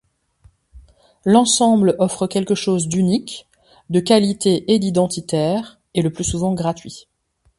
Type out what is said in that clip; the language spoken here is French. L’ensemble offre quelque chose d’unique, de qualité et d’identitaire... et le plus souvent gratuit.